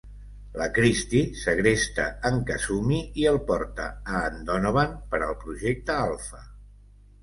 La Christie segresta en Kasumi i el porta a en Donovan per al Projecte Alfa.